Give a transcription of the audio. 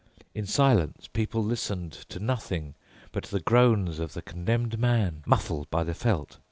In silence people listened to nothing but the groans of the condemned man, muffled by the felt.